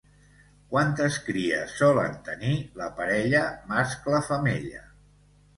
Quantes cries solen tenir la parella mascle-femella?